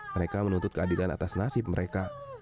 mereka menuntut keadilan atas nasib mereka